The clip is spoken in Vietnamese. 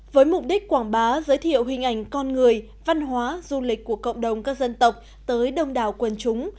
với mục đích quảng bá giới thiệu hình ảnh con người văn hóa du lịch của cộng đồng các dân tộc tới đông đảo quần chúng